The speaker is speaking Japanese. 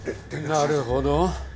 なるほど。